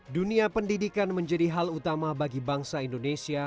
dunia pendidikan menjadi hal utama bagi bangsa indonesia